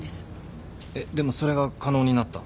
えっでもそれが可能になった？